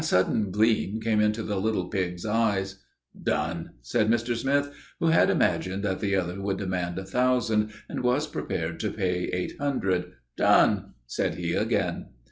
A sudden gleam came into the little pig's eyes. "Done!" said Mr. Smith, who had imagined that the other would demand a thousand and was prepared to pay eight hundred. "Done!" said he again.